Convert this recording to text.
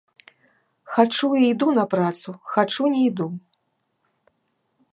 Хачу і іду на працу, хачу не іду.